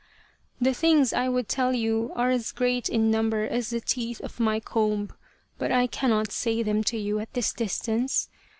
The things I would tell you are as great in number as the teeth of my comb, but I cannot say them to you at this distance.